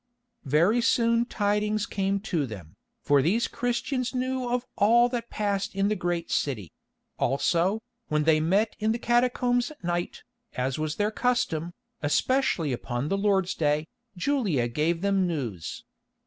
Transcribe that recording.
Very soon tidings came to them, for these Christians knew of all that passed in the great city; also, when they met in the catacombs at night, as was their custom, especially upon the Lord's Day, Julia gave them news.